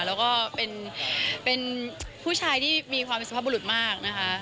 แล้วก็เป็นผู้ชายที่มีความเป็นสุภาพบุรุษมากนะคะ